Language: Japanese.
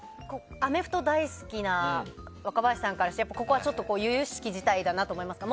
アメフト大好きな若林さんからして由々しき事態だなと思いますか？